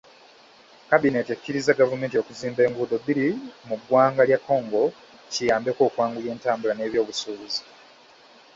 Kabbineeti ekkiriza gavumenti okuzimba enguudo bbiri mu ggwanga lya Congo kiyambeko okwanguya entambula n'ebwobusubuzi.